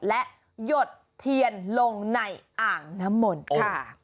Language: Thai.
และหยดเทียนลงในอ่างน้ำมนต์ค่ะ